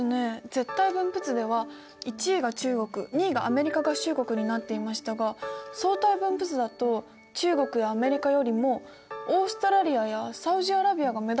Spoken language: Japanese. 絶対分布図では１位が中国２位がアメリカ合衆国になっていましたが相対分布図だと中国やアメリカよりもオーストラリアやサウジアラビアが目立ってますね。